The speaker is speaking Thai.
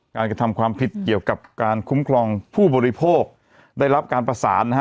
กระทำความผิดเกี่ยวกับการคุ้มครองผู้บริโภคได้รับการประสานนะฮะ